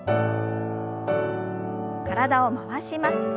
体を回します。